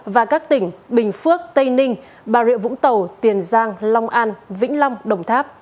và các tỉnh bình phước tây ninh bà rịa vũng tàu tiền giang long an vĩnh long đồng tháp